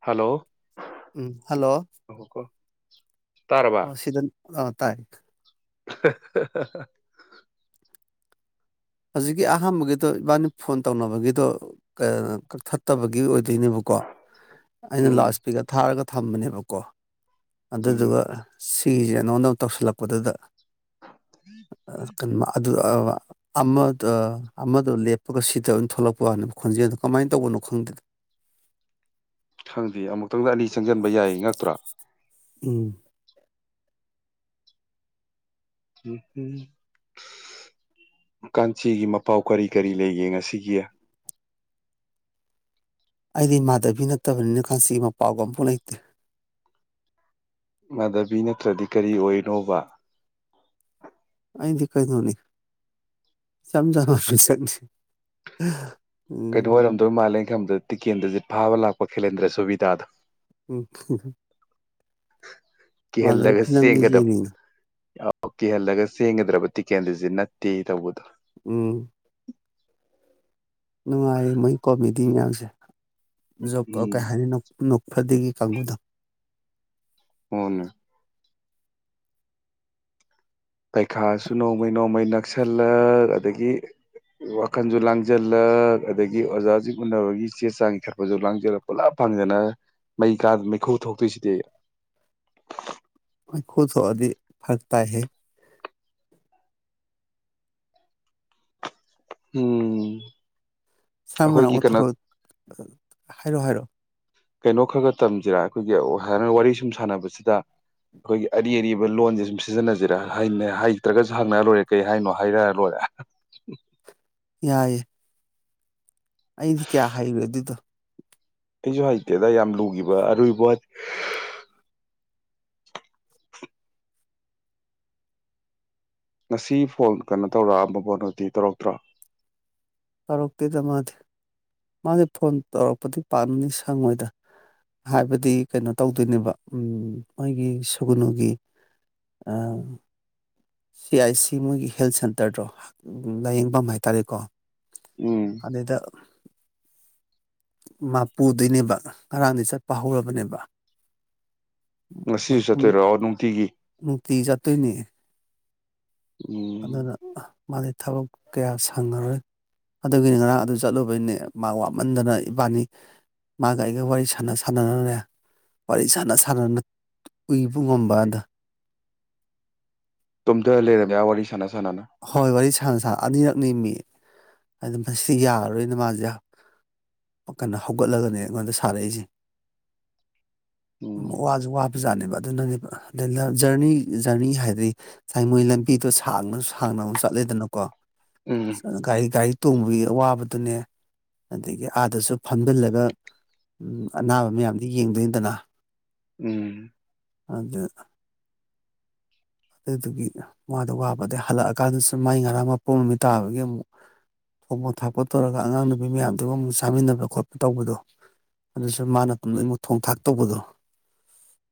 hello um hello [inaudible] ꯑꯣ ꯁꯤꯗꯟ ꯑ ꯇꯥꯏ [inaudible] ꯍꯧꯖꯤꯛꯀꯤ ꯑꯍꯥꯟꯕꯒꯤꯗꯣ ꯏꯕꯥꯅꯤ ꯐꯣꯟ ꯇꯧꯅꯕꯒꯤꯗꯣ ꯀꯛꯊꯠꯇꯕꯒꯤ ꯑꯣꯏꯗ ꯑꯗꯨꯏꯅꯦꯕꯀꯣ ꯑꯩꯅ ꯂꯥꯎꯁ ꯎꯝ ꯏꯁꯄꯤꯀꯔ ꯊꯥꯔꯒ ꯊꯝꯕꯅꯦꯕꯀꯣ ꯎꯝ ꯑꯗꯨꯗꯨꯒ ꯐꯁꯦ ꯅꯉꯣꯟꯗ ꯑꯃ ꯇꯧꯁꯤꯜꯂꯛꯄꯗꯨꯗ ꯀ ꯑꯗꯨ ꯑ ꯑꯃꯗ ꯑꯃꯗ ꯂꯦꯞꯄꯒ ꯁꯤꯗ ꯑꯣꯏꯅ ꯊꯣꯛꯂꯛꯄ ꯋꯥꯅꯤꯗ ꯈꯣꯟꯖꯦꯜꯗ ꯀꯃꯥꯏꯅ ꯇꯧꯕꯅꯣ ꯈꯪꯗꯦꯗ ꯈꯪꯗꯦ ꯑꯃꯨꯛꯇꯪꯗ ꯑꯅꯤ ꯆꯪꯁꯤꯟꯕ ꯌꯥꯏꯌꯦ ꯉꯛꯇ꯭ꯔꯥ ꯎꯝ ꯎꯝꯝ ꯀꯥꯟꯆꯤꯒꯤ ꯄꯥꯎ ꯀꯔꯤ ꯀꯔꯤ ꯂꯩꯒꯦ ꯉꯁꯤꯒꯤ ꯌꯦ ꯑꯩꯗꯤ ꯏꯃꯥꯙꯕꯤ ꯅꯠꯇꯕꯅꯤꯅ ꯈꯟꯁꯤ ꯃꯄꯥꯎꯒ ꯑꯃꯝꯐꯨ ꯂꯩꯇꯦ ꯃꯥꯙꯕꯤ ꯅꯠꯇ꯭ꯔꯗꯤ ꯀꯔꯤ ꯑꯣꯏꯅꯣꯕ ꯀꯩꯗꯤ ꯀꯥꯏꯅꯍꯅꯤ ꯁꯖ ꯑꯃ ꯐꯤꯜꯁꯅꯤ ꯀꯩꯅꯣ ꯑꯣꯏꯔꯝꯗꯣꯏ ꯃꯥꯜꯂꯦꯅ ꯈꯪꯕꯗ ꯇꯤꯀꯦꯟꯗꯁꯦ ꯐꯥꯕ ꯂꯥꯛꯄ ꯋꯥꯈꯜꯦꯟꯗ꯭ꯔꯦ ꯁꯨꯕꯤꯤꯗꯥ ꯑꯗꯨ ꯎꯝ ꯃꯥꯗꯕꯤ ꯐꯤꯂꯝꯗꯨꯖꯤꯅꯤꯅꯤ ꯑꯣ ꯀꯤꯍꯜꯂꯒ ꯆꯦꯡꯒꯗ꯭ꯔꯕ ꯇꯤꯛꯀꯦꯟꯗꯨꯁ ꯅꯠꯇꯦ ꯇꯧꯕꯗꯣ ꯎ ꯅꯨꯡꯉꯥꯏꯌꯦ ꯃꯣꯏ ꯀꯣꯃꯦꯗꯤ ꯃꯌꯥꯝꯁꯦ ꯣ ꯎꯝ ꯀꯍꯅꯤ ꯅ ꯅ ꯐꯗꯤꯒꯤ ꯀꯥꯡꯕꯨꯗ ꯍꯅꯦ ꯄꯩꯈꯥꯁꯨ ꯅꯣꯡꯃꯩ ꯅꯣꯡꯃꯩꯅ ꯇꯛꯁꯜꯂꯛ ꯑꯗꯒꯤ ꯋꯥꯈꯜꯁꯨ ꯂꯥꯡꯁꯤꯜꯂꯛ ꯑꯗꯒꯤ ꯑꯣꯖꯥꯁꯤꯡ ꯎꯅꯕꯒꯤ ꯆꯦ ꯆꯥꯡ ꯏꯈꯠꯄꯁꯨ ꯂꯥꯡꯁꯤꯜꯂꯛ ꯄꯨꯂꯞ ꯐꯪꯗꯅ ꯃꯩ ꯀꯥ ꯃꯩꯈꯨ ꯊꯣꯛꯇꯣꯏꯁꯤꯗꯤ ꯈꯨꯨꯠꯣꯗꯤ ꯐꯔ ꯇ ꯍꯦ ꯎꯝ ꯁꯝꯅ ꯑꯩꯈꯣꯏꯒꯤ ꯀꯩꯅꯣ ꯀꯣꯊꯔꯣ ꯍꯥꯏꯔꯛꯑꯣ ꯍꯥꯏꯔꯛꯑꯣ ꯀꯩꯅꯣ ꯈꯔ ꯈꯔ ꯇꯝꯁꯤꯔꯥ ꯑꯩꯈꯣꯏꯒꯤꯥ ꯋꯥꯔꯤ ꯁꯨꯝ ꯁꯥꯟꯅꯕꯁꯤꯗ ꯑꯩꯈꯣꯏꯒꯤ ꯑꯔꯤ ꯑꯔꯤꯕ ꯂꯣꯟꯁꯦ ꯁꯨꯝ ꯁꯤꯖꯤꯟꯅꯁꯤꯔ ꯍꯩꯇ꯭ꯔꯒꯁꯨ ꯍꯪꯅꯔ ꯂꯣꯏꯔꯦ ꯀꯩ ꯍꯥꯏꯅꯣ ꯍꯥꯏꯔ ꯂꯣꯏꯔꯦ ꯌꯥꯏꯦ ꯑꯩꯗꯤ ꯀꯌꯥ ꯍꯥꯏꯔꯦ ꯑꯗꯨꯗꯣ ꯀꯩꯁꯨ ꯍꯩꯇꯦꯗ ꯌꯥꯝ ꯂꯨꯈꯤꯕ ꯑꯔꯣꯏꯕ ꯉꯁꯤ ꯐꯣꯟ ꯀꯩꯅꯣ ꯇꯧꯔꯛꯑꯕꯕꯣꯅꯣꯗꯤ ꯇꯧꯔꯛꯇ꯭ꯔꯥ ꯇꯧꯔꯛꯇꯦꯗ ꯃꯥꯗꯤ ꯃꯥꯗꯤ ꯐꯣꯟ ꯇꯧꯔꯛꯄꯗꯤ ꯄꯥꯝꯅꯤ ꯁꯪꯉꯣꯏꯗ ꯍꯥꯏꯕꯗꯤ ꯀꯩꯅꯣ ꯇꯧꯗꯣꯏꯅꯦꯕ ꯃꯣꯏꯒꯤ ꯁꯨꯒꯨꯅꯨꯒꯤ ꯁꯤ ꯑꯥꯏ ꯁꯤ ꯃꯣꯏꯒꯤ ꯍꯦꯜꯠ ꯁꯦꯟꯇꯔꯗꯣ ꯂꯥꯏꯌꯦꯡꯐꯝ ꯍꯥꯏꯇꯥꯔꯦꯀꯣ ꯎꯝ ꯑꯗꯗ ꯃꯥꯄꯨꯗꯣꯏꯅꯦꯕ ꯉꯔꯥꯡꯗꯤꯩ ꯆꯠꯄ ꯍꯧꯔꯕꯅꯦꯕ ꯃ ꯉꯁꯤꯁꯨ ꯄꯨꯡ ꯆꯠꯇꯣꯏꯔꯣ ꯅꯨꯡꯇꯤꯒꯤ ꯅꯨꯡꯇꯤ ꯆꯠꯇꯣꯏꯅꯦ ꯎꯝ ꯑꯗꯨꯅ ꯃꯥꯗꯤ ꯊꯕꯛ ꯀꯌꯥ ꯁꯪꯉꯔꯣꯏ ꯑꯗꯨꯒꯤꯅꯤ ꯉꯔꯥꯡ ꯑꯗꯨ ꯆꯠꯂꯨꯕꯩꯅꯦ ꯃꯥ ꯋꯥꯃꯟꯗꯅ ꯏꯕꯥꯅꯤ ꯃꯥꯒ ꯑꯩꯒ ꯋꯥꯔꯤ ꯁꯥꯟꯅ ꯁꯥꯟꯅꯔꯨꯔꯦ ꯋꯥꯔꯤ ꯁꯥꯟꯅ ꯁꯥꯟꯅꯅ ꯎꯏꯕ ꯉꯝꯕ ꯑꯗ ꯇꯣꯝꯇ ꯂꯩꯔꯝꯃꯤꯌꯥ ꯋꯥꯔꯤ ꯁꯥꯟꯅ ꯁꯥꯟꯅꯕ ꯍꯣꯏ ꯋꯥꯔꯤ ꯁꯥꯅ ꯑꯅꯤꯔꯛꯅꯤ ꯃꯤ ꯑꯗꯨꯗꯤ ꯃꯁꯤꯗꯤ ꯌꯥꯔꯔꯣꯏꯅ ꯃꯥꯁꯦ ꯀꯩꯅꯣ ꯍꯧꯒꯠꯂꯒꯅꯦ ꯑꯩꯉꯣꯟꯗ ꯁꯥꯔꯛꯏꯁꯦ ꯎꯝ ꯋꯥꯁꯨ ꯋꯥꯕꯖꯥꯠꯅꯦꯕ ꯑꯗꯨꯅꯅꯦꯕ ꯖꯔꯅꯤ ꯖꯔꯅꯤ ꯍꯥꯏꯗꯤ ꯉꯁꯥꯏ ꯃꯣꯏ ꯂꯝꯕꯤꯗꯣ ꯁꯥꯡꯅ ꯊꯥꯡꯅ ꯑꯃ ꯆꯠꯂꯦꯗꯅꯀꯣ ꯎꯝ ꯆ ꯅ ꯈꯥꯏ ꯒꯥꯔꯤ ꯇꯣꯡꯕꯒꯤ ꯑꯋꯥꯕꯗꯨꯅꯦ ꯑꯗꯒꯤ ꯑꯥꯗꯁꯨ ꯐꯝꯖꯤꯜꯂꯒ ꯎꯝ ꯑꯅꯥꯕ ꯃꯌꯥꯝꯗꯨ ꯌꯦꯡꯗꯣꯏꯅꯤꯗꯅ ꯎꯝ ꯑꯗ ꯑꯗꯨꯗꯨꯒꯤ ꯃꯥꯗꫭ ꯋꯥꯕ ꯑꯗꯩ ꯍꯜꯂꯛꯑꯀꯥꯟꯗꯁꯨ ꯃꯥꯏ ꯉꯔꯥꯡ ꯃꯄꯣꯛ ꯅꯨꯃꯤꯠ ꯇꯥꯕꯒꯤ ꯑꯃꯨꯛ ꯊꯣꯡꯕ ꯊꯥꯛꯄ ꯇꯧꯔꯒ ꯑꯉꯥꯡ ꯅꯨꯕꯤ ꯃꯌꯥꯝꯗꯨꯒ ꯑꯃꯨꯛ ꯆꯥꯃꯤꯟꯅꯕ ꯈꯣꯠꯄ ꯇꯧꯕꯗꯣ ꯑꯗꯨꯁꯨ ꯃꯥꯅ ꯑꯗꯨꯝ [unintelligible] ꯊꯣꯡ ꯊꯥꯛ ꯇꯧꯕꯗꯣ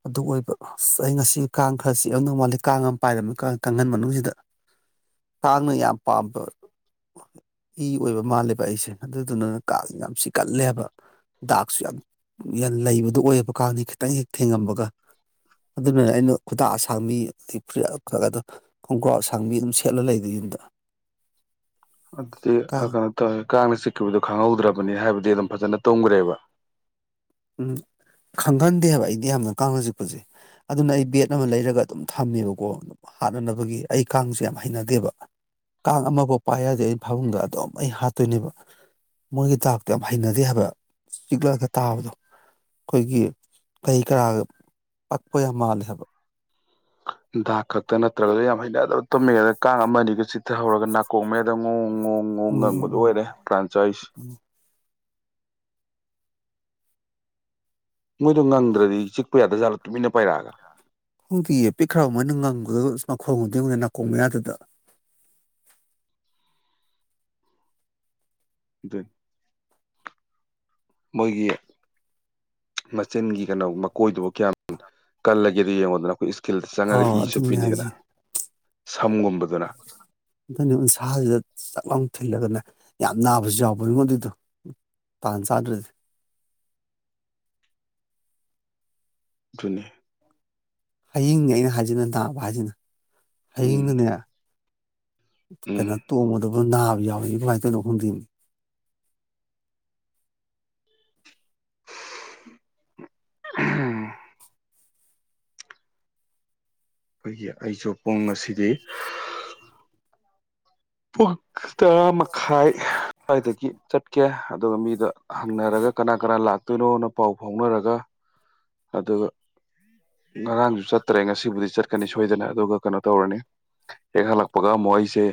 ꯑꯗꯨ ꯑꯣꯏꯕ ꯑꯁ ꯑꯩ ꯉꯁꯤ ꯀꯥꯡ ꯈꯔ ꯆꯤꯛꯑꯝ ꯗꯧ ꯃꯥꯜꯂꯤ ꯀꯥꯡ ꯑꯃ ꯄꯥꯏꯔꯝꯃꯤ ꯀꯥꯡ ꯀꯥꯡꯈꯟ ꯃꯅꯨꯡꯁꯤꯗ ꯀꯥꯡꯅ ꯌꯥꯝ ꯄꯥꯝꯕ ꯏ ꯑꯣꯏꯕ ꯃꯥꯜꯂꯦꯕ ꯑꯩꯁꯦ ꯑꯗꯨꯗꯨꯅ ꯀꯥꯡ ꯌꯥꯝ ꯆꯤꯛꯀꯜꯂꯦꯕ ꯗꯥꯛꯁꯨ ꯌꯥꯝ ꯌꯥꯝ ꯂꯩꯕꯗꯣ ꯑꯣꯏꯌꯦꯕ ꯀꯥꯡꯅ ꯈꯤꯇꯪ ꯍꯦꯛ ꯊꯦꯡꯉꯝꯃꯕꯒ ꯑꯗꯨꯅ ꯑꯩꯅ ꯈꯨꯗꯥꯡ ꯑꯁꯥꯡꯕꯤ ꯗꯤ [unintelligible] ꯈꯣꯡꯒ꯭ꯔꯥꯎ ꯑꯁꯥꯡꯕꯤ ꯑꯗꯨꯝ ꯁꯦꯠꯂ ꯂꯩꯗꫭ ꯌꯨꯝꯗ ꯑꯗꯨꯗꯤ ꯑ ꯀꯥꯡ ꯀꯩꯅꯣ ꯇꯥꯏ ꯀꯥꯡꯅ ꯆꯤꯛꯈꯤꯕꯗꯣ ꯈꯪꯍꯧꯗ꯭ꯔꯕꯅꯤ ꯍꯥꯏꯕ ꯗꯤ ꯑꯗꯨꯝ ꯐꯖꯅ ꯇꯨꯝꯒ꯭ꯔꯦꯕ ꯎꯝ ꯈꯪꯒꯟꯗꯦ ꯍꯥꯏꯕ ꯑꯩꯗꯤ ꯌꯥꯝꯅ ꯀꯥꯡꯅ ꯆꯤꯛꯄꯁꯦ ꯑꯗꯨꯅ ꯑꯩ ꯕꯦꯠ ꯑꯃ ꯂꯩꯔꯒ ꯑꯗꯨꯝ ꯊꯝꯃꯦꯕꯀꯣ ꯍꯥꯠꯅꯅꯕꯒꯤ ꯑꯩ ꯀꯥꯡꯁꯦ ꯌꯥꯝ ꯍꯩꯅꯗꯦꯕ ꯀꯥꯡ ꯑꯃ ꯕꯧ ꯄꯥꯏ ꯌꯥꯗꯦ ꯑꯩꯅ ꯐꯥꯃꯨꯡꯗ ꯑꯗꯨꯝ ꯑꯩ ꯍꯥꯠꯇꯣꯏꯅꯦꯕ ꯃꯣꯏꯒꯤ ꯗꯥꯛꯇꯣ ꯌꯥꯝ ꯍꯩꯅꯗꯦ ꯍꯥꯏꯕ ꯆꯤꯛꯂꯛꯑꯒ ꯇꯥꯕꯗꯣ ꯑꯩꯈꯣꯏꯒꯤ ꯀꯩ ꯀꯔꯥꯒ ꯄꯛꯄ ꯌꯥꯝ ꯃꯥꯜꯂꯦ ꯍꯥꯏꯕ ꯗꯥꯛ ꯈꯛꯇ ꯅꯠꯇ꯭ꯔꯒꯁꯨ ꯌꯥꯝ ꯍꯩꯅꯗꯕ ꯇꯨꯝꯃꯤꯉꯩꯗ ꯀꯥꯡ ꯑꯃ ꯑꯅꯤꯒ ꯆꯤꯊ ꯍꯧꯔꯒ ꯅꯥꯀꯣꯡ ꯃꯌꯥ ꯇ ꯉꯣꯡ ꯉꯣꯡ ꯉꯣꯡ ꯎꯝ ꯎꯝ ꯉꯪꯕꯗꯨ ꯎꯝ ꯑꫭꯏꯔꯦ ꯄ꯭ꯔꯥꯟ ꯆꯥꯛꯏꯁꯤ ꯃꯣꯏꯗꯣ ꯉꯪꯗ꯭ꯔꯗꯤ ꯆꯤꯛꯄ ꯌꯥꯗꯖꯥꯠꯂ ꯇꯨꯃꯤꯟꯅ ꯄꯥꯏꯔꯛꯑꯒ ꯈꯪꯗꯤꯌꯦ ꯄꯤꯛꯈ꯭ꯔꯕ ꯃꯣꯏꯅ ꯉꯪꯕꯗꯨꯂ ꯃꯈꯣꯛꯒꯗꯨ ꯌꯦꯡꯉꯨꯅꯦ ꯅꯥꯀꫭꯡ ꯃꯌꯥꯗꯨꯗ ꯅꯥꯀꯣꯡ ꯃꯌꯥꯗꯨꯗ ꯗꯨꯅꯤ ꯃꯣꯏꯒꯤ ꯃꯆꯤꯟꯒꯤ ꯀꯩꯅꯣ ꯃꯀꯣꯏꯗꯨꯕꯨ ꯀꯌꯥꯝ ꯀꯜꯂꯒꯦꯗꯨ ꯌꯦꯡꯉꯣꯗꯅ ꯑꯩꯈꯣꯏ ꯊꯤꯜꯗ ꯆꯪꯉꯒ ꯑꯥ ꯏ ꯑꯗꯨꯅꯦ ꯆꯨꯞꯄꯤꯅꯤꯗꯅ ꯍꯥꯏꯁꯦ ꯁꯝꯒꯨꯝꯕꯗꯨꯅ ꯊꯜꯂꯒꯅ ꯌꯥꯝ ꯅꯥꯕꯁꯨ ꯌꯥꯎꯕꯅꯤꯉꯣ ꯃꯗꯨꯗꯣ ꯇꯥꯟ ꯆꯥꯗ꯭ꯔꯗꯤ ꯑꯗꯨꯨꯅꯦ ꯍꯌꯤꯡꯅꯦ ꯑꯩꯅ ꯍꯥꯏꯖꯤꯅ ꯅꯥꯕ ꯍꯥꯏꯖꯤꯅ ꯎꯝ ꯍꯌꯤꯡꯗꯅꯦ ꯎꯝ ꯀꯩꯅꯣ ꯇꯣꯡꯕꯗꯨꯕꯨ ꯅꯥ ꯥꯂꯥꯎꯔꯛꯏꯕ ꯀꯃꯥꯏꯅ ꯇꫭꯏꯅꫭ ꯈꯪꯗꯦꯃꯤ ꯑꯍꯝ ꯑꯩꯈꯣꯏꯒꯤ ꯑꯩꯁꯨ ꯄꯨꯡ ꯑꯁꯤꯗꯤ ꯄꯨ ꯇꯔꯥ ꯃ ꯈꯥꯏ ꯑꯗꯨ꯭ꯋꯥꯏꯗꯒꯤ ꯆꯠꯀꯦ ꯑꯗꯨꯒ ꯃꯤꯗ ꯍꯪꯅꯔꯒ ꯀꯅꯥ ꯀꯅꯥ ꯂꯥꯛꯇꯣꯏꯅꯣꯅ ꯄꯥꯎ ꯐꯥꯎꯅꯔꯒ ꯑꯗꯨꯒ ꯉꯔꯥꯡꯁꯨ ꯆꯠ ꯇ꯭ꯔꯦ ꯉꯁꯤꯕꯨꯗꯤ ꯆꯠꯀꯅꯤ ꯁꯣꯏꯗꯅ ꯑꯗꯨꯒ ꯀꯩꯅꯣ ꯇꯧꯔꯅꯤ ꯍꯦꯛ ꯍꯜꯂꯛꯄꯒ ꯑꯃꯨꯛ ꯑꯩꯁꯦ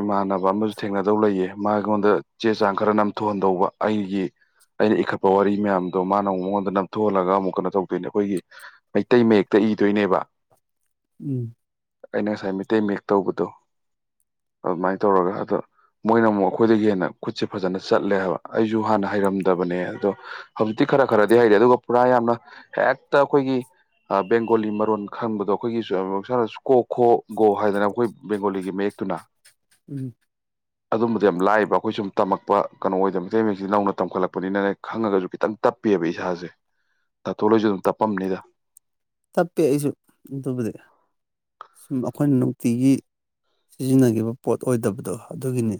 ꯏꯃꯥꯟꯅꯕ ꯑꯃꯁꯨ ꯊꯦꯡꯅꯗꯧ ꯂꯩꯌꯦ ꯃꯥ ꯑꯩꯉꯣꯟꯗ ꯆꯦ ꯆꯥꯡ ꯈꯔ ꯅꯝꯊꯣꯛꯍꯟꯗꯧꯕ ꯑꯩꯒꯤ ꯑꯩꯅ ꯏꯈꯠꯄ ꯋꯥꯔꯤ ꯃꯌꯥꯝꯗꯣ ꯃꯥꯅ ꯑꯃꯨꯛ ꯃꯉꯣꯟꯗ ꯅꯝꯊꯣꯛꯍꯜꯂꯒ ꯑꯃꯨꯛ ꯀ ꯇꯧꯗꯣꯏꯅꯦ ꯑꯩꯈꯣꯏꯒꯤ ꯃꯩꯇꯩ ꯃꯌꯦꯛꯇ ꯏꯗꯣꯏꯅꯦꯕ ꯎꯝ ꯑꯩꯅ ꯉꯁꯥꯏ ꯃꯩꯇꯩ ꯃꯌꯦꯛ ꯇꯧꯕꯗꯣ ꯑꯗꯨꯃꯥꯏꯅ ꯇꯧꯔꯒ ꯑꯗ ꯃꯣꯏꯅ ꯑꯃꯨꯛ ꯑꯩꯈꯣꯏꯗꯒꯤ ꯍꯦꯟꯅ ꯈꯨꯠꯁꯦ ꯐꯖꯅ ꯆꯠꯂꯦ ꯍꯥꯏꯕ ꯑꯩꯁꯨ ꯍꯥꯟꯅ ꯍꯩꯔꯝꯗꯕꯅꯦ ꯑꯗꯣ ꯍꯧꯖꯤꯛꯇꯤ ꯈꯔ ꯈꯔꯗꯤ ꯍꯩꯔꯦ ꯑꯗꯨꯒ ꯄꯨꯔꯥ ꯌꯥꯝꯅ ꯍꯦꯛꯇ ꯑꯩꯈꯣꯏꯒꯤ ꯕꯦꯡꯒꯣꯂꯤ ꯃꯔꯣꯟ ꯈꯪꯕꯗꯣ [unintelligible] ꯑꯩꯈꯣꯏꯒꯤ ꯁ ꯀꯣ ꯈꯣ ꯒꯣ ꯍꯥꯏꯗꯅ ꯑꯩꯈꯣꯏ ꯕꯦꯡꯒꯣꯂꯤꯒꯤ ꯃꯌꯦꯛꯇꯨꯅ ꯎꯝ ꯑꯗꯨꯝꯕꯗꯤ ꯌꯥꯝ ꯂꯥꯏꯕ ꯑꯩꯈꯣꯏ ꯁꯨꯝ ꯇꯝꯃꯛꯄ ꯀꯩꯅꯣ ꯑꯣꯏꯗꯅ ꯃꯩꯇꯩ ꯁꯌꯦꯛ ꯁꯤꯗꯤ ꯅꯧꯅ ꯇꯝꯈꯠꯂꯛꯄꯅꯤꯅꯅꯦ ꯈꯪꯉꯒꯁꯨ ꯈꯤꯇꯪ ꯇꯞꯄꯦꯕ ꯏꯁꯥꯁꯦ ꯊꯣꯜ ꯍꫭꯏꯁꯨ ꯑꯗꯨꯝ ꯇꯞꯄꯝꯅꯤꯗ ꯇꯞꯄꯦ ꯑꯩꯁꯨ ꯑꯗꯨꯕꯨꯗꯤ ꯁꯨꯝ ꯑꯩꯈꯣꯏꯅ ꯅꯨꯡꯇꯤꯒꯤ ꯁꯤꯖꯤꯟꯅꯈꯤꯕ ꯄꯣꯠ ꯑꯣꯏꯗꯕꯗꯣ ꯑꯗꯨꯒꯤꯅꯤ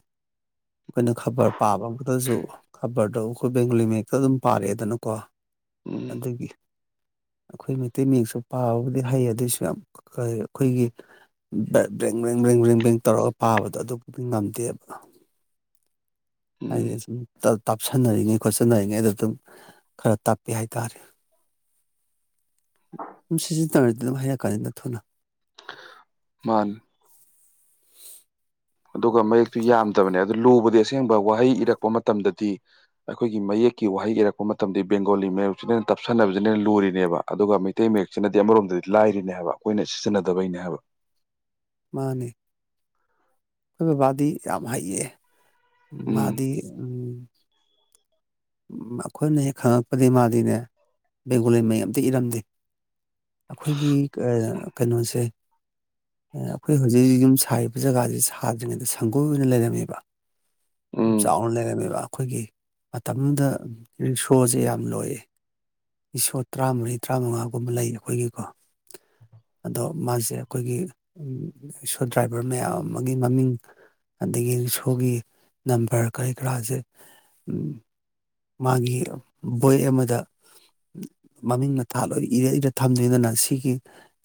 ꯑꯩꯈꯣꯏꯅ ꯈꯕꯔ ꯄꯥꯕ ꯑꯃꯗꯁꯨ ꯈꯕꯔꯗꯣ ꯑꯩꯈꯣꯏ ꯕꯦꯡꯒꯂꯤ ꯃꯦꯛꯇ ꯑꯗꯨꯝ ꯄꯥꯔꯛꯑꯦꯗꯅꯀꯣ ꯎꯝ ꯑꯗꯒꯤ ꯑꯩꯈꯣꯏ ꯃ ꯑꯇꯩ ꯃꯤꯌꯦꯛꯁꯨ ꯄꯥꯕꯕꯨꯗꯤ ꯍꯩ ꯑꯗꯨꯑꯣꯏꯁꯨ ꯌꯥꯝ ꯀ ꯑꯩꯈꯣꯏꯒꯤ ꯕꯦꯡ ꯕꯦꯡ ꯕ꯭ꯔꯦꯡ ꯕꯦꯡ ꯕ꯭ꯔꯦꯡ ꯇꯧꯔꯒ ꯄꯥꯕꯗꯣ ꯑꯗꯨꯕꯨꯗꯤ ꯉꯝꯗꯦꯕ ꯍꯥꯏ ꯎꯝ ꯇꯥꯞꯁꯟꯅꯔꯤꯉꯩ ꯈꯣꯠꯆꯟꯅꯔꯤꯉꯩ ꯑꯗꯨꯗ ꯑꯗꯨꯝ ꯈꯔ ꯇꯥꯛꯄꯤ ꯍꯥꯏ ꯔꯦ ꯑꯗꯨꯝ ꯁꯤꯖꯤꯟꯅ ꯇꯧꯔꯗꯅ ꯀꯅꯤ ꯅ ꯊꯅ ꯃꯥꯜ ꯑꯗꯨꯒ ꯃꯌꯦꯛꯇꯨ ꯌꯥꯝꯗꯕꯅꯦ ꯑꯗꯨ ꯂꯨꯕꯗꯤ ꯑꯁꯦꯡꯕ ꯋꯥꯍꯩ ꯏꯔꯛꯄ ꯃꯇꯝꯗꯗꯤ ꯑꯩꯈꯣꯏꯒꯤ ꯃꯌꯦꯛꯀꯤ ꯋꯥꯍꯩ ꯏꯔꯛꯄ ꯃꯇꯝꯗ ꯕꯦꯡꯒꯣꯂꯤ ꯃꯌꯦꯛꯁꯤꯅꯦ ꯇꯞꯁꯟꯅꯅꯕꯁꯤꯅꯅ ꯂꯨꯔꯤꯅꯦꯕ ꯑꯗꯨꯒ ꯃꯩꯇꯩ ꯃꯌꯦꯛꯁꯤꯅꯗꯤ ꯑꯃꯔꯣꯝꯗꯗꯤ ꯂꯥꯏꯔꯤꯅꯦ ꯍꯥꯏꯕ ꯑꯩꯈꯣꯏꯅ ꯁꯤꯖꯤꯟꯅꯗꯕꯩꯅꯦ ꯍꯥꯏꯕ ꯃꯥꯅꯦ ꯑꯩꯣꯏ ꯕꯕꯥꯗꯤ ꯌꯥꯝ ꯍꯩꯌꯦ ꯎꯝ ꯃꯥꯗꯤ ꯎꯝ ꯑꯩꯈꯣꯏꯅ ꯍꯦꯛ ꯈꯪꯉꯛꯄꯗꯒꯤꯩ ꯃꯥꯗꯤꯅꯦ ꯕꯦꯡꯒꯣꯂꯤ ꯃꯩ ꯑꯇ ꯏꯔꯝꯗꯦ ꯑꯩꯈꯣꯏꯒꯤ ꯀꯩꯅꯣꯁꯦ ꯑꯩꯈꯣꯏ ꯍꯧꯖꯤꯛ ꯍꯧꯖꯤꯛ ꯌꯨꯝ ꯁꯥꯔꯤꯕ ꯖꯒꯥꯁꯦ ꯁꯥꯗ꯭ꯔꯤꯉꯩꯗ ꯁꯪꯒꯣꯏ ꯑꯣꯏꯅ ꯂꯩꯔꯝꯃꯦꯕ ꯎꯝ ꯆꯥꯎ ꯂꯩꯔ ꯃꯕꯥ ꯑꯩꯈꯣꯏꯒꯤ ꯇꯥꯃꯣꯗ ꯔꯤꯛꯁꯣꯁꯦ ꯌꯥꯝ ꯂꯣꯏꯌꯦ ꯔꯤꯁꯣ ꯇꯔꯥꯃꯔꯤ ꯇꯔꯥꯃꯉꯥꯒꯨꯝꯕ ꯂꯩ ꯑꯩꯈꯣꯏꯒꯤꯀꯣ ꯑꯗꯣ ꯃꯥꯁꯦ ꯑꯩꯈꯣꯏꯒꯤ ꯔꯤꯛꯁꯣ ꯗ꯭ꯔꯥꯏꯚꯔ ꯃꯌꯥꯝ ꯑꯃꯒꯤ ꯃꯃꯤꯡ ꯑꯗꯒꯤ ꯔꯤꯛꯁꯣꯒꯤ ꯅꯝꯕꯔ ꯀꯔꯤ ꯀꯔꯥꯁꯦ ꯃꯥꯒꯤ ꯕꯣꯏ ꯑꯃꯗ ꯃꯃꯤꯡ ꯃꯊꯥ ꯂꯣꯏꯅ ꯏꯔ ꯏꯔ ꯊꯝꯗꯅꯤꯗꯅ ꯁꯤꯒꯤ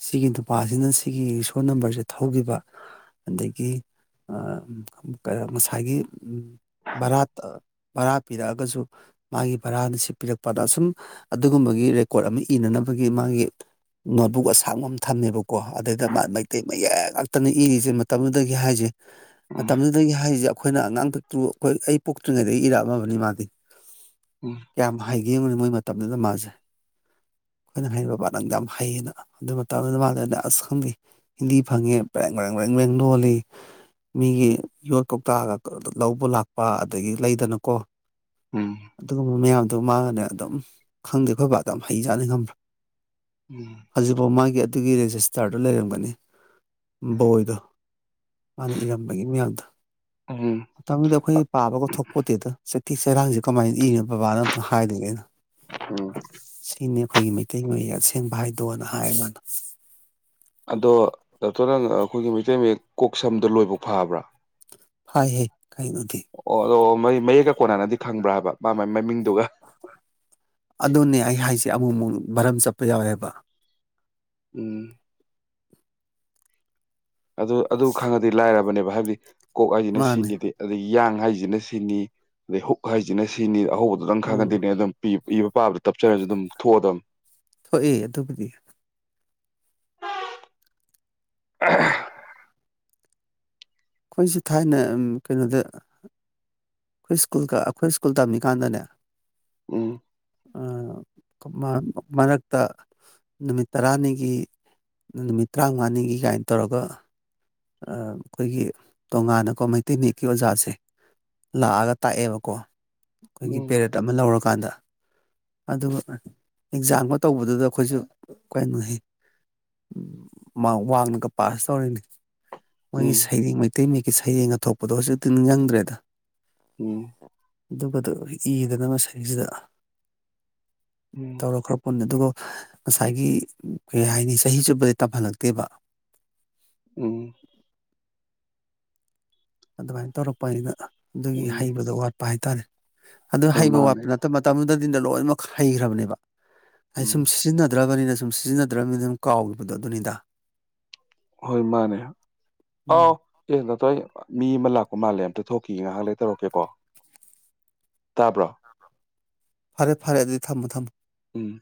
ꯁꯤꯒꯤ ꯅꯨꯄꯥꯁꯤꯅ ꯁꯤꯒꯤ ꯔꯤꯁꯣ ꯅꯝꯕꯔꯁꯦ ꯊꯧꯈꯤꯕ ꯑꯗꯒꯤ ꯉꯁꯥꯏꯒꯤ ꯎꯝ ꯔꯠ ꯄꯔꯠ ꯄꯤꯔꯛꯑꯒꯁꯨ ꯃꯥꯒꯤ ꯚꯔꯥꯅ ꯁꯤ ꯄꯤꯔꯛꯄꯗ ꯑꯁꯨꯝ ꯑꯗꯨꯒꯨꯝꯕꯒꯤ ꯔꯦꯀꯣꯔꯠ ꯑꯃ ꯏꯅꯅꯕꯒꯤ ꯃꯥꯒꯤ ꯅꯣꯠꯕꯨꯛ ꯑꯁꯥꯡꯕ ꯑꯃ ꯊꯝꯃꯦꯕꯀꯣ ꯑꯗꯨꯗꯩꯗ ꯃꯥ ꯃꯩꯇꯩ ꯃꯌꯦꯛ ꯉꯥꯛꯇꯅ ꯏꯔꯤꯁꯦ ꯃꯇꯝꯗꯨꯗꯒꯤ ꯍꯥꯏꯁꯦ ꯎꯝ ꯃꯇꯝꯗꯨꯗꯒꯤ ꯍꯥꯏꯖꯕ ꯑꯩꯈꯣꯏꯅ ꯑꯉꯥꯡꯊꯛꯇ꯭ꯔꯨ ꯑꯩꯈꯣꯏ ꯑꯩ ꯄꯣꯛꯇ꯭ꯔꯤꯉꯩꯗꯒꯤ ꯏꯔꯥꯛ ꯑꯕꯅꯤ ꯃꯥꯗꯤ ꯎꯝ ꯀꯌꯥꯝ ꯍꯥꯏꯒꯦ ꯃꯣꯏ ꯃꯇꯝꯗꯨꯗ ꯃꯥꯁꯦ ꯑꯩꯈꯣꯏꯅ ꯍꯥꯏꯔꯤꯕ ꯄꯠ ꯅꯪꯗ ꯌꯥꯝ ꯍꯩꯌꯦꯅ ꯑꯗꯨ ꯃꯇꯝꯗꯨꯗ ꯃꯥꯁ ꯑꯩꯅ ꯑꯁ ꯈꯪꯗꯦ ꯍꯤꯟꯗꯤ ꯐꯪꯉꯦ ꯄꯔꯦꯡ ꯔꯦꯡ ꯔꯦꯡ ꯔꯦꯡ ꯂꯣꯜꯂꯤ ꯃꯤꯒꯤ ꯌꯣꯠ ꯀꯧꯇꯥꯥꯛꯑꯒ ꯂꯧꯕ ꯂꯥꯛꯄ ꯑꯗꯒꯤ ꯂꯩꯗꯅ ꯀꯨ ꯑꯗꯨꯒꯨꯝꯕ ꯃꯌꯥꯝ ꯑꯗꯨ ꯃꯥꯅꯅꯦ ꯑꯗꯨꯝ ꯈꯪꯗꯦ ꯑꯩꯈꯣꯏ ꯄꯕꯥ ꯑꯗꯨꯝ ꯍꯩꯖꯥꯅꯤ ꯉꯝꯕ꯭ꯔꯥ ꯎꯝ ꯎꯝ ꯍꯧꯖꯤꯛꯐꯥꯎ ꯃꯥꯒꯤ ꯑꯗꯨꯒꯤ ꯔꯦꯖꯤꯁ ꯆꯥꯔꯗꯨꯣ ꯂꯩꯔꯝꯒꯅꯤ ꯕꯣꯏꯗꯣ ꯃꯥꯅ ꯏꯔꯝꯕꯒꯤ ꯃꯌꯥꯝꯗ ꯎꯝ ꯃꯇꯝ ꯃꯇꯝꯗꯨꯗꯤ ꯑꯩꯈꯣꯏ ꯄꯥꯕꯒꯣ ꯊꯛꯀꯣ ꯇꯦ ꯆꯊꯤ ꯆꯩꯔꯥꯡꯁꯦ ꯀꯃꯥꯏꯅ ꯏꯔꯤꯅꯣ ꯕꯕꯥꯅ ꯑꯝꯇꯪ ꯍꯥꯏꯗꯣꯏꯒꯦꯅ ꯎꯝ ꯁꯤꯅꯤ ꯑꯩꯈꯣꯏꯒꯤ ꯃꯩꯇꯩ ꯃꯌꯦꯛ ꯑꯁꯦꯡꯕ ꯍꯥꯏꯗꯣꯅ ꯍꯥꯏ ꯃꯥꯅ ꯑꯗꯣ ꯗꯥꯛꯇꯔ ꯅꯪ ꯑꯩꯈꯣꯏꯒꯤ ꯃꯩꯇꯩ ꯃꯌꯦꯛ ꯀꯣꯛ ꯁꯝꯗ ꯂꯣꯏꯕ ꯐꯕ꯭ꯔꯥ ꯍꯥꯏ ꯍꯦ ꯀꯥꯏ ꯅꯤ ꯃ ꯃꯌꯦꯛꯀ ꯀꯣꯟꯅꯅꯗꯤ ꯈꯪꯕ꯭ꯔꯥ ꯍꯥꯏꯕ ꯃꯥ ꯃꯥꯏ ꯃꯃꯤꯡꯗꯨꯒ ꯑꯗꯨꯅꯦ ꯑꯩ ꯍꯥꯏꯁꯦ ꯑꯃꯨꯛꯃꯨꯛ ꯃꯔꯝ ꯆꯠꯄ ꯌꯥꯎꯋꯦꯕ ꯎꯝ ꯑꯗꯨ ꯑꯗꯨ ꯈꯪꯉꯗꯤ ꯂꯥꯏꯔꯕꯅꯦꯕ ꯍꯥꯏꯕꯗꯤ ꯀꯣꯛ ꯍꯥꯏꯁꯤꯅ ꯃꯥꯅꯦ ꯁꯤꯈꯤꯗꯦ ꯑꯗꯒꯤ ꯌꯥꯌꯥꯡ ꯍꯥꯏꯁꯤꯅ ꯁꯤꯅꯤ ꯑꯗꯩ ꯍꯨꯛ ꯍꯥꯏꯁꯤꯅ ꯁꯤꯅꯤ ꯑꯍꯧꯕꯗꯨꯣ ꯑꯗꯨꯝ ꯎꯝ ꯈꯪꯉꯗꯗꯤꯅꯦ ꯑꯗꯨꯝ ꯄꯤ ꯏꯕ ꯄꯥꯕꯗ ꯇꯞꯆꯔꯁꯨ ꯑꯗꯨꯝ ꯊꯣꯛꯑꯗꯕ ꯊꯣꯛꯑ ꯑꯗꯨꯕꯨꯗꯤ [inaudible] ꯑꯩꯈꯣꯏꯁꯦ ꯊꯥꯏꯅ ꯀꯩꯅꯣꯗ ꯑꯩꯈꯣꯏ ꯁ꯭ꯀꯨꯜ ꯑꯩꯈꯣꯏ ꯁ꯭ꯀꯨꯜ ꯇꯝꯃꯤꯀꯥꯟꯗꯅꯦ ꯎꯝ ꯑꯝ ꯃꯔꯛꯇ ꯅꯨꯃꯤꯠ ꯇꯔꯥꯅꯤꯒꯤ ꯅꯨꯃꯤꯠ ꯇꯔꯥꯃꯉꯥꯅꯤꯒꯤ ꯀꯥꯏꯅ ꯇꯧꯔꯒ ꯑꯩꯈꯣꯏꯒꯤ ꯇꯣꯉꯥꯟꯅꯀꯣ ꯃꯩꯇꯩ ꯃꯌꯦꯛꯀꯤ ꯑꯣꯖꯥꯁꯦ ꯂꯥꯛꯑꯒ ꯇꯥꯛꯑꯦꯕꯀꯣ ꯑꯩꯈꯣꯏꯒꯤ ꯎꯝ ꯄꯦꯔꯦꯠ ꯑꯃ ꯂꯧꯔꯀꯥꯟꯗ ꯑꯗꯨꯒ ꯑꯦꯛꯖꯥꯝꯒ ꯇꯧꯕꯗꯨꯗ ꯑꯩꯈꯣꯏꯁꯨ ꯀꯩꯅꯣ ꯋꯥꯡꯉꯒ ꯄꯥꯁ ꯇꯧꯔꯤꯅꯤ ꯃꯣꯏꯒꯤ ꯎꯝ ꯁꯩꯔꯦꯡ ꯃꯩꯇꯩ ꯁꯌꯦꯦꯡ ꯑ ꯊꯣꯛꯄꯗꯣ ꯍꯧꯖꯤꯛꯇꯤ ꯅꯤꯡ ꯆꯪꯗ꯭ꯔꯦꯗ ꯎꯝ ꯑꯗꯨꯒꯗꯣ ꯏꯗꯅꯁꯁꯤꯗ ꯎꯝ ꯇꯧ ꯑꯗꯨꯒ ꯉꯁꯥꯏꯒꯤ ꯀꯩ ꯍꯥꯏꯅꯤ ꯆꯍꯤ ꯆꯨꯞꯄꯗꯤ ꯇꯝꯍꯜꯂꯛꯇꯦꯕ ꯎꯝ ꯑꯗꯨꯃꯥꯏꯅ ꯇꯧꯔꯛꯄ ꯑꯩꯅ ꯑꯗꯨꯒꯤ ꯎꯝ ꯍꯩꯕꯗ ꯋꯥꯠ ꯄ ꯍꯥꯏꯇꯥꯔꯦ ꯑꯗꯨ ꯍꯣꯏ ꯍꯩꯕ ꯃꯥꯅꯦ ꯋꯥꯠꯄ ꯅꯠꯇ ꯃꯇꯝꯗꯨꯗ ꯑꯗꯨꯗ ꯂꯣꯏꯅꯃꯛ ꯍꯩꯈ꯭ꯔꯕꯅꯦꯕ ꯎꯝ ꯑꯁꯨꯝ ꯁꯤꯖꯤꯟꯅꯗ꯭ꯔꯥꯕꯅꯤꯅ ꯁꯁꯨꯝ ꯁꯤꯖꯤꯟꯅꯗ꯭ꯔꯕꯅꯤꯅ ꯑꯗꯨꯝ ꯀꯥꯎꯈꯤꯕꯗꯣ ꯑꯗꯨꯅꯤꯗ ꯍꯣꯏ ꯃꯥꯅꯦ ꯎꯝ ꯑꯥꯎ ꯌꯦ ꯅꯇ ꯃꯤ ꯑꯃ ꯂꯥꯛꯄ ꯃꯥꯜꯂꯦ ꯑꯝꯇ ꯊꯣꯛꯈꯤꯒ ꯉꯥꯏꯍꯥꯛ ꯂꯩ ꯇꯧꯔꯛꯀꯦꯀꯣ ꯇꯥꯕ꯭ꯔꯣ ꯐꯔꯦ ꯐꯔꯦ ꯑꯗꯨꯗꯤ ꯊꯝꯃꯨ ꯊꯝꯃꯨ ꯎꯝ